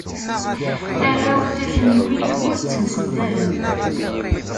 Arraw n takniwin, ur ttemsendahen.